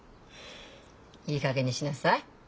いいかげんにしなさい。